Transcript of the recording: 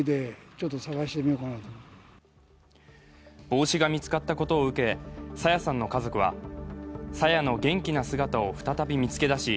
帽子が見つかったことを受け朝芽さんの家族は、朝芽の元気な姿を再び見つけだし